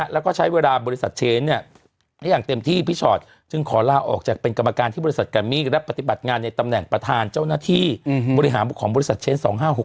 แล้วก็ใช้เวลาบริษัทเชนเนี่ยได้อย่างเต็มที่พี่ชอตจึงขอลาออกจากเป็นกรรมการที่บริษัทแกมมี่และปฏิบัติงานในตำแหน่งประธานเจ้าหน้าที่บริหารของบริษัทเชน๒๕๖๖